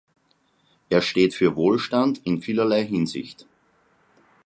Er steht für Wohlstand in vielerlei Hinsicht.